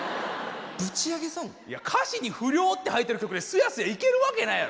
ぶち上げソング？いや歌詞に「不良」って入ってる曲ですやすやいけるわけないやろ。